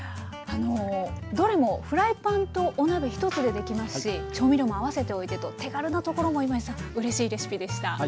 あのどれもフライパンとお鍋１つでできますし調味料も合わせておいてと手軽なところも今井さんうれしいレシピでした。